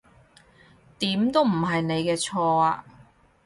點都唔係你嘅錯呀